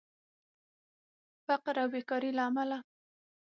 فقر او بیکارې له امله